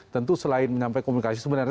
tentu selain menyampaikan komunikasi sebenarnya